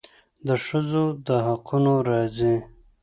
د ښځو د حقونو راځي.